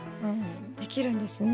できるんですね。